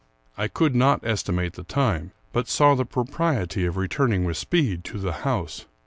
I could not estimate the time, but saw the propriety of returning with speed to the house.